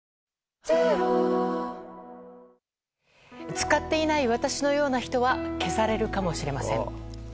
使っていない私のような人は消されるかもしれません。